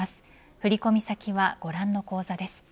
振込先はご覧の口座です。